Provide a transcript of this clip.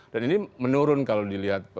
dan ini menurun kalau dilihat